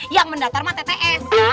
yang mendatar mah tts